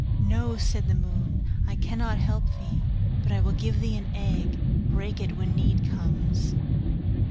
'No,' said the moon, 'I cannot help thee but I will give thee an egg break it when need comes.